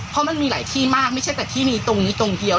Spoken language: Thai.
เพราะมันมีหลายที่มากไม่ใช่แต่ที่นี้ตรงนี้ตรงเดียว